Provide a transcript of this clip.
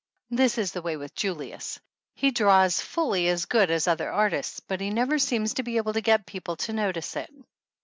This is the way with Julius. He draws fully as good as other artists, but he never has been able to get people to notice it.